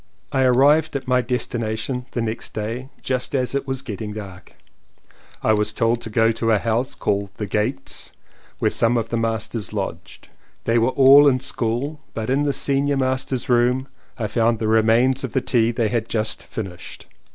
I arrived at my destination the next day just as it was getting dark. I was told to 198 LLEWELLYN POWYS go to a house called "The Gates" where some of the masters lodged. They were all in school but in the senior master's room I found the remains of the tea they had just finished.